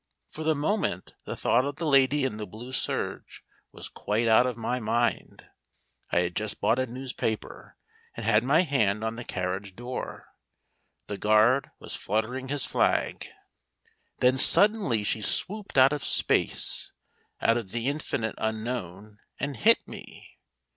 For the moment the thought of the lady in the blue serge was quite out of my mind. I had just bought a newspaper, and had my hand on the carriage door. The guard was fluttering his flag. Then suddenly she swooped out of space, out of the infinite unknown, and hit me.